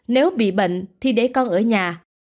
nếu bị bệnh thì để con ở nhà